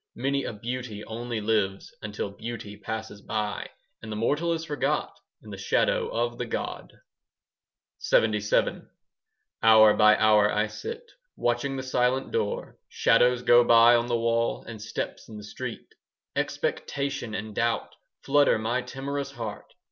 Many a beauty only lives Until Beauty passes by, And the mortal is forgot 15 In the shadow of the god. LXXVII Hour by hour I sit, Watching the silent door. Shadows go by on the wall, And steps in the street. Expectation and doubt 5 Flutter my timorous heart.